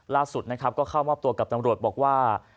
ล่าสุดนะครับก็เข้ามอบตัวกับตำรวจบอกว่า